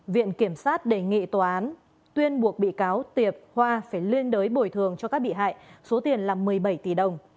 viện kiểm sát đề nghị tòa án tuyên buộc bị cáo tiệp hoa phải liên đối bồi thường cho các bị hại số tiền là một mươi bảy tỷ đồng